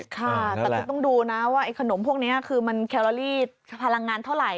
ค่ะแต่คุณต้องดูนะว่าไอ้ขนมพวกนี้คือมันแคลอรี่พลังงานเท่าไหร